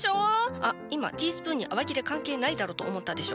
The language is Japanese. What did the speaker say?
あっ今ティースプーンに洗剤いらねえだろと思ったでしょ。